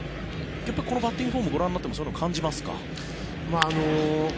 このバッティングフォームをご覧になってもそういうのを感じますか？